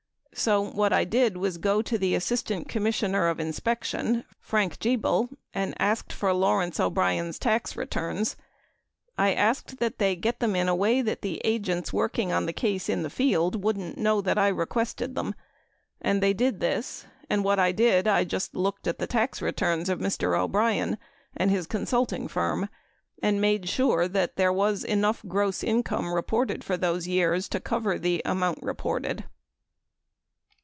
So what I did was go to the Assistant Commis sioner of Inspection, Frank Geibel, and asked for Lawrence O'Brien's tax returns I asked that they get them in a way that the agents working on the case in the field wouldn't know that I requested them. And they did this, and what I did, I just looked at the tax returns of Mr. O'Brien and his consulting firm and made sure that there was enough gross income reported for those years, to cover the amount re ported.